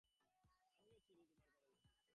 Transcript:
সুচরিতা তাড়াতাড়ি নীচে চলিয়া গেল।